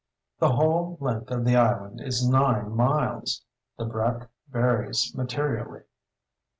The whole length of the island is nine miles; the breadth varies materially.